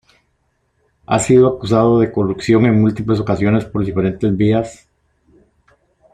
Ha sido acusado de corrupción en múltiples ocasiones por diferentes vías.